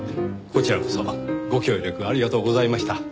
こちらこそご協力ありがとうございました。